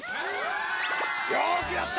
よくやった！